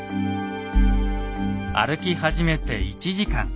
歩き始めて１時間。